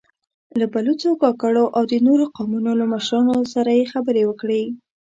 له بلوڅو، کاکړو او د نورو قومونو له مشرانو سره يې خبرې وکړې.